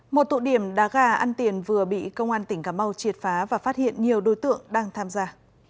một tụ điểm đá gà ăn tiền vừa bị công an tỉnh cà mau triệt phá và phát hiện nhiều đối tượng đang tham gia